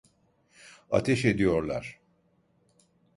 Ateş ediyorlar!